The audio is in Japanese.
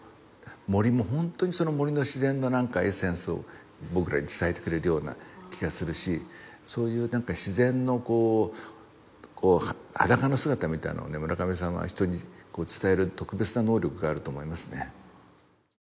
森もホントにその森の自然のなんかエッセンスを僕らに伝えてくれるような気がするしそういうなんか自然のこう裸の姿みたいのをね村上さんは人に伝える特別な能力があると思いますね